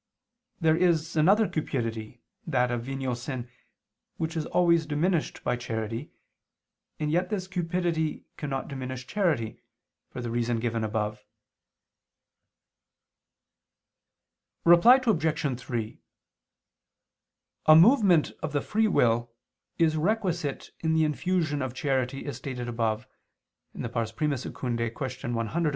There is another cupidity, that of venial sin, which is always diminished by charity: and yet this cupidity cannot diminish charity, for the reason given above. Reply Obj. 3: A movement of the free will is requisite in the infusion of charity, as stated above (I II, Q. 113, A.